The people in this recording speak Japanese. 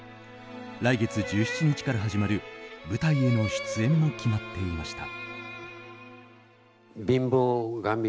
来月１７日から始まる舞台への出演も決まっていました。